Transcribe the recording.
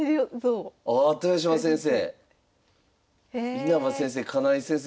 稲葉先生金井先生